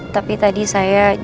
tapi tadi saya